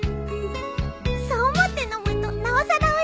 そう思って飲むとなおさらおいしいね。